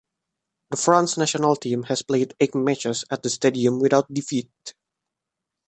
The France national team has played eight matches at the stadium without defeat.